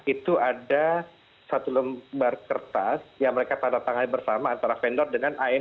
itu ada satu lembar kertas yang mereka tanda tangan bersama antara vendor dengan amne